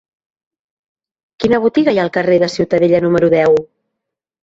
Quina botiga hi ha al carrer de Ciutadella número deu?